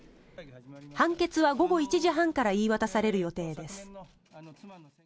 判決は午後１時半から言い渡される予定です。